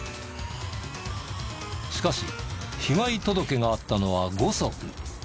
しかし被害届があったのは５足。